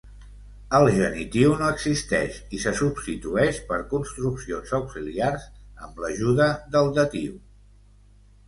El genitiu no existeix, i se substitueix per construccions auxiliars amb l'ajuda del datiu.